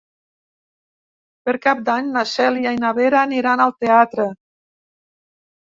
Per Cap d'Any na Cèlia i na Vera aniran al teatre.